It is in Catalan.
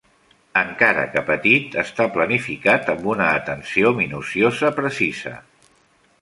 Encara que petit, està planificat amb una atenció minuciosa precisa.